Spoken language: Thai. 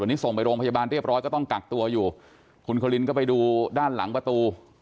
วันนี้ส่งไปโรงพยาบาลเรียบร้อยก็ต้องกักตัวอยู่คุณคลินก็ไปดูด้านหลังประตู